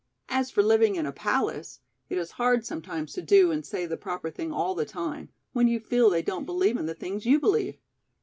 As for living in a palace, it is hard sometimes to do and say the proper thing all the time, when you feel they don't believe in the things you believe.